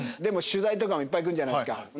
でも取材とかもいっぱい来るじゃないですか。